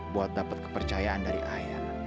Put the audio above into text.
buat dapat kepercayaan dari ayah